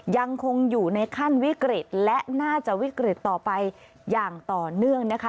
ยังคงอยู่ในขั้นวิกฤตและน่าจะวิกฤตต่อไปอย่างต่อเนื่องนะคะ